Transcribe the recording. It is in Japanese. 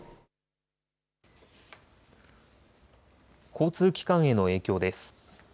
交通機関への影響です。